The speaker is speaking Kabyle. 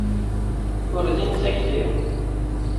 Ur din takti.